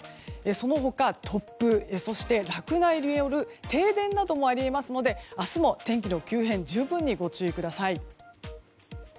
その他、突風そして落雷による停電などもあり得ますので明日も天気の急変は十分にご注意ください。